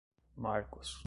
marcos